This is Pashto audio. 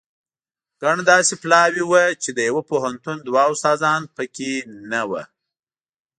ګڼ داسې پلاوي وو چې د یوه پوهنتون دوه استادان په کې نه وو.